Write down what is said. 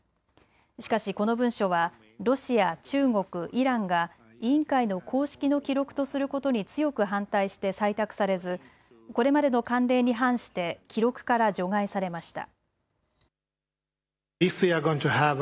しかしこの文書はロシア、中国、イランが委員会の公式の記録とすることに強く反対して採択されず、これまでの慣例に反して記録から除外されました。